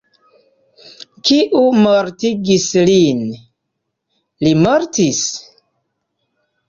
Kiu mortigis lin? Li mortis!